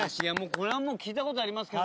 これはもう聞いた事ありますけど。